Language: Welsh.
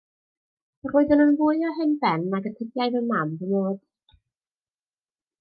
Yr oeddwn yn fwy o hen ben nag y tybiai fy mam fy mod.